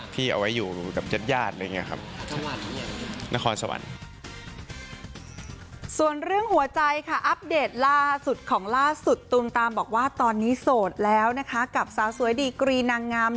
ที่เอาไว้อยู่กับเจ้าญาติเลยเนี่ยครับ